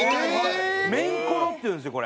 メンコロっていうんですよこれ。